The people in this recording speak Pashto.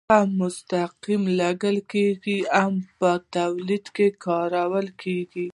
هم مستقیم لګول کیږي او هم په تولید کې کاریږي.